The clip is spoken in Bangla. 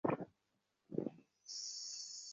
এই বলেই সে তাড়াতাড়ি ঘর থেকে বেরিয়ে চলে গেল।